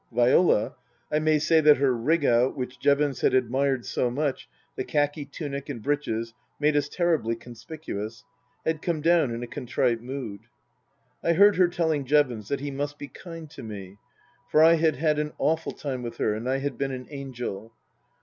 Viola (I may say that her rig out which Jevons had admired so much, the khaki tunic and breeches, made us terribly conspicuous) had come down in a contrite mood. I heard her telling Jevons that he must be kind to me, for I had had an awful time with her and I had been an angel.